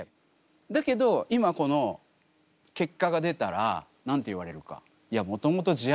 だけど今この結果が出たら何て言われるか？